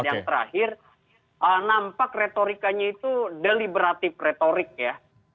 yang terakhir nampak retorikanya itu deliberatif retorik ya